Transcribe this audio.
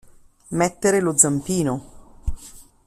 Mettere lo zampino.